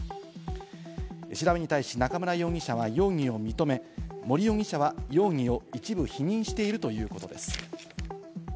調べに対し、中村容疑者は容疑を認め、森容疑者は容疑を一部否認しているということです。